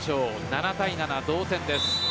７対７、同点です。